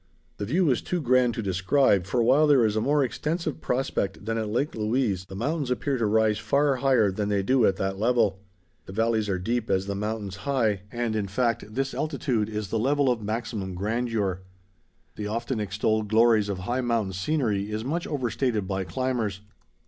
The view is too grand to describe, for while there is a more extensive prospect than at Lake Louise the mountains appear to rise far higher than they do at that level. The valleys are deep as the mountains high, and in fact this altitude is the level of maximum grandeur. The often extolled glories of high mountain scenery is much overstated by climbers.